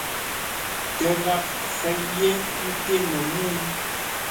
Tə́ gháp fêʼ yé nté no mə́u.